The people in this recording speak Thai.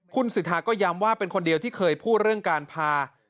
คุณสิทธาก็ย้ำว่าเป็นคนเดียวที่เคยพูดเรื่องการพา